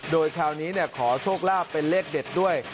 โดยคราวนี้ขอโชคลาภเป็นเลขเด็ดด้วย